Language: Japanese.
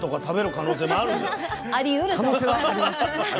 可能性はあります。